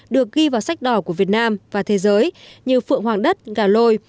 được ghi vào sách đỏ của việt nam và thế giới như phượng hoàng đất gà lôi